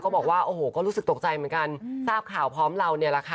บอกว่าโอ้โหก็รู้สึกตกใจเหมือนกันทราบข่าวพร้อมเราเนี่ยแหละค่ะ